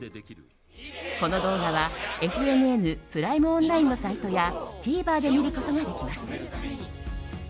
この動画はＦＮＮプライムオンラインのサイトやＴＶｅｒで見ることができます。